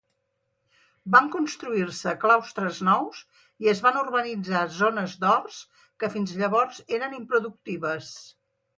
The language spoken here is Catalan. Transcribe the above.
Van construir-se claustres nous i es van urbanitzar zones d'horts que fins llavors eren improductives.